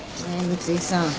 三井さん。